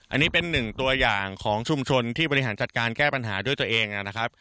อันนี้เป็นหนึ่งตัวอย่างของชุมชนที่บริหารจัดการแก้ปัญหาด้วยตัวเองนะครับ